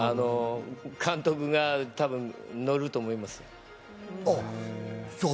監督が乗ると思います。